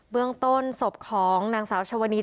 เรื่องต้นศพของนางสาวชวนี